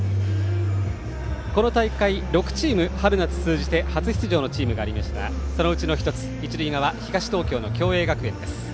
この大会６チーム春夏通じて初出場ですがそのうちの１つ、一塁側東東京の共栄学園です。